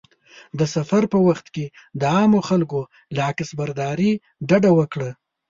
د سفر په وخت کې د عامو خلکو له عکسبرداري ډډه وکړه.